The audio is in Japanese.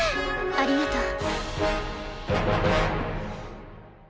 ありがとう。